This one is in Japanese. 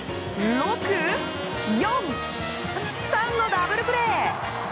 ６−４−３のダブルプレー！